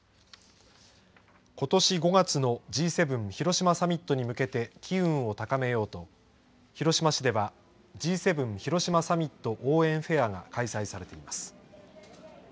ことし５月のＧ７広島サミットに向けて機運を高めようと広島市ではＧ７広島サミット応援フェアが開催されています。